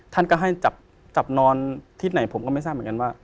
ท่านก็ให้จับนอนที่ไหนผมก็ไม่ทราบเหมือนกันว่า